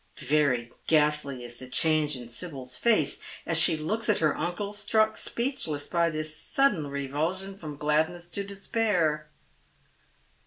Very ghastly is the change in Sibyl's face as she looks at her uncle, struck speechless by this sudden revulsion fi'ora gladness to despair.